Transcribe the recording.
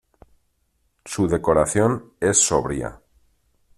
Su decoración es sobria.